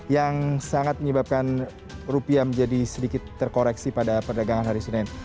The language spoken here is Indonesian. yang sangat menyebabkan rupiah menjadi sedikit terkoreksi pada perdagangan hari senin